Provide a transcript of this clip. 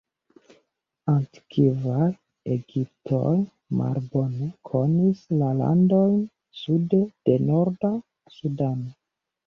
Antikvaj Egiptoj malbone konis la landojn sude de norda Sudano.